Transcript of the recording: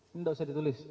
ini tidak usah ditulis